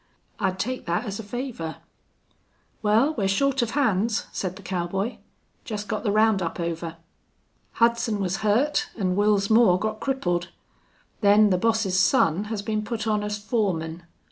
"I'd take that as a favor." "Wal, we're short of hands," said the cowboy. "Jest got the round up over. Hudson was hurt an' Wils Moore got crippled. Then the boss's son has been put on as foreman.